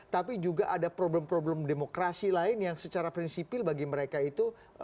tapi juga ada problem problem demokrasi lain yang secara prinsipil bagi mereka itu